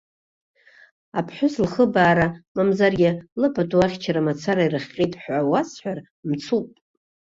Аԥҳәыс лхыбаара, мамзаргьы лыпату ахьчара мацара ирыхҟьеит ҳәа уасҳәар мцуп.